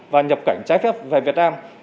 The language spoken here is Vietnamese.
và nhập cảnh trái phép về việt nam